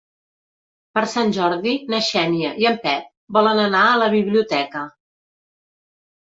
Per Sant Jordi na Xènia i en Pep volen anar a la biblioteca.